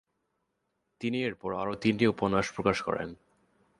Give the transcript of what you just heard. তিনি এরপর আরো তিনটি উপন্যাস প্রকাশ করেন।